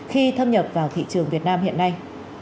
khi thâm nhập vào thị trường việt nam hiện nay